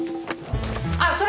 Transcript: あっそれ